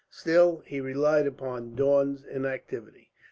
Still, he relied upon Daun's inactivity.